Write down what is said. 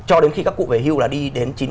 cho đến khi các cụ về hưu là đi đến